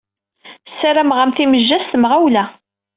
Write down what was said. Sarameɣ-am timejja s temɣawla.